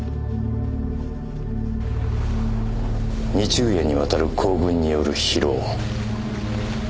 ２昼夜にわたる行軍による疲労。